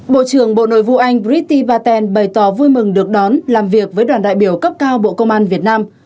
bộ trưởng bộ nội vụ anh brity paten bày tỏ vui mừng được đón làm việc với đoàn đại biểu cấp cao bộ công an việt nam